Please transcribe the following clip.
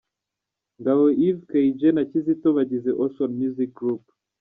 Ngabo Yves Kay-J na Kizito bagize Ocean Music Group.